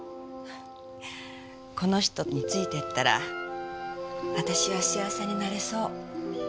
この人についていったら私は幸せになれそう。